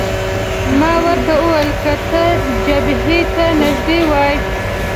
ما ورته وویل: که ته جبهې ته نږدې وای.